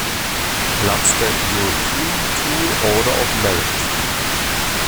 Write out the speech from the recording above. Platz der "European Tour Order of Merit".